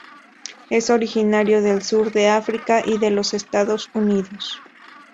Es originario del sur de África y de los Estados Unidos.